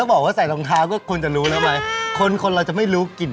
คือบอกที่สายทางท้าแล้วก็เปิดกระจกแล้ว